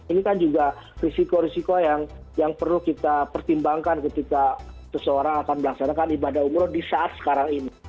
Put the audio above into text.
ini kan juga risiko risiko yang perlu kita pertimbangkan ketika seseorang akan melaksanakan ibadah umroh di saat sekarang ini